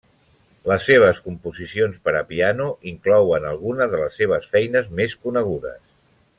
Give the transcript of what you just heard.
Les seves composicions per a piano inclouen algunes de les seves feines més conegudes.